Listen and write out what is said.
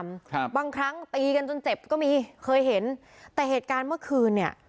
ครับบางครั้งตีกันจนเจ็บก็มีเคยเห็นแต่เหตุการณ์เมื่อคืนเนี้ย